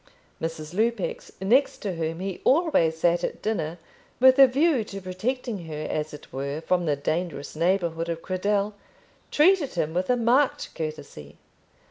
Mrs. Lupex, next to whom he always sat at dinner, with a view to protecting her as it were from the dangerous neighbourhood of Cradell, treated him with a marked courtesy.